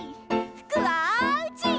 ふくはうち！